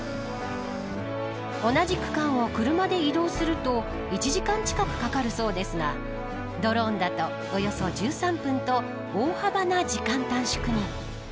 同じ区間を車で移動すると１時間近くかかるそうですがドローンだとおよそ１３分と大幅な時間短縮に。